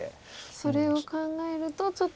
それを考えるとちょっと。